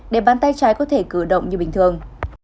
để bàn tay trái có thể cử động như bình thường